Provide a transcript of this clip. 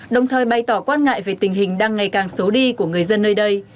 đồng thời bày tỏ quan ngại về tình hình đang ngày càng xấu đi của người dân nơi đây